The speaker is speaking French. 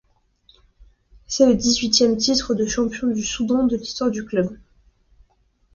C'est le dix-huitième titre de champion du Soudan de l'histoire du club.